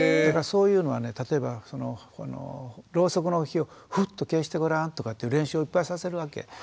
だからそういうのはね例えばろうそくの火をふっと消してごらんとかっていう練習をいっぱいさせるわけ。